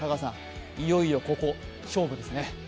いよいよここ、勝負ですね。